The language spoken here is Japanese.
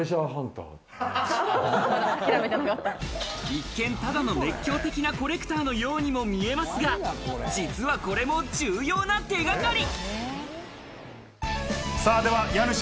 一見ただの熱狂的なコレクターのようにも見えますが、実はこれも重要な手掛かり。